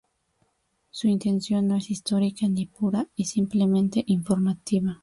Su intención no es histórica ni pura y simplemente informativa.